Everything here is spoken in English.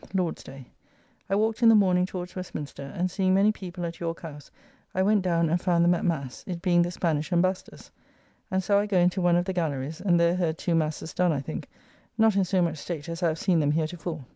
(Lord's day) I walked in the morning towards Westminster, and seeing many people at York House, I went down and found them at mass, it being the Spanish ambassodors; and so I go into one of the gallerys, and there heard two masses done, I think, not in so much state as I have seen them heretofore.